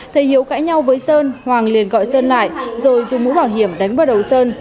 thầy hiếu cãi nhau với sơn hoàng liền gọi sơn lại rồi dùng mũ bảo hiểm đánh vào đầu sơn